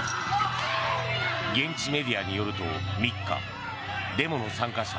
現地メディアによると３日デモの参加者